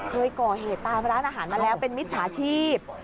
เคยก่อห่วงร้านอาหารมาแล้วเป็นมิจชาชีค